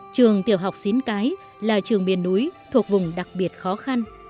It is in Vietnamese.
trường tiểu học xín cái là trường miền núi thuộc vùng đặc biệt khó khăn